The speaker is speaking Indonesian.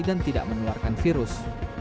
dan tidak menularkan virus